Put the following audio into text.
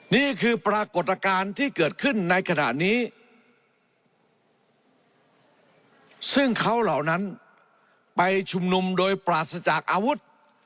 นี่คือปรากฏการณ์ที่เกิดขึ้นในขณะนี้ซึ่งเขาเหล่านั้นไปชุมนุมโดยปราศจากอาวุธ